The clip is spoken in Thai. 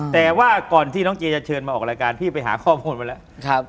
แต่ว่าก่อนที่น้องเจจะเชิญมาออกรายการพี่ไปหาข้อมูลมาแล้ว